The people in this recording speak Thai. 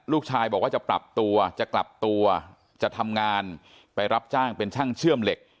ลูกชายบอกว่าจะปรับตัวจะกลับตัวจะทำงานไปรับจ้างเป็นช่างเชื่อมเหล็ก